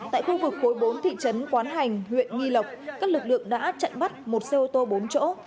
tại khu vực khối bốn thị trấn quán hành huyện nghi lộc các lực lượng đã chặn bắt một xe ô tô bốn chỗ